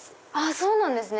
そうなんですね！